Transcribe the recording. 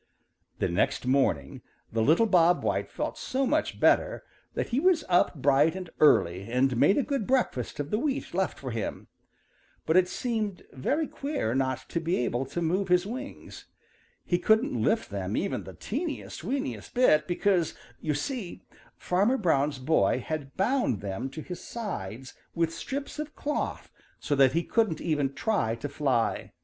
The next morning the little Bob White felt so much better that he was up bright and early and made a good breakfast of the wheat left for him. But it seemed very queer not to be able to move his wings. He couldn't lift them even the teeniest, weeniest bit because, you see, Farmer Brown's boy had bound them to his sides with strips of cloth so that he couldn't even try to fly.